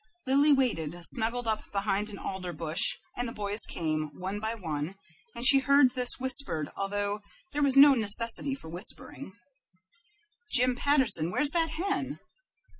Lily waited, snuggled up behind an alder bush, and the boys came, one by one, and she heard this whispered, although there was no necessity for whispering, "Jim Patterson, where's that hen?"